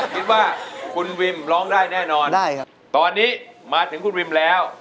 คิดว่าคุณวิมร้องได้แน่นอนได้ครับตอนนี้มาถึงคุณวิมแล้ว